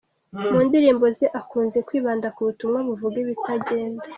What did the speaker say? Mu ndirimbo ze akunze kwibanda ku butumwa buvuga ibitagenda.